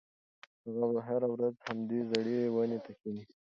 هغه هره ورځ همدې زړې ونې ته کښېني.